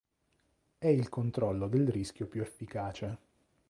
È il controllo del rischio più efficace.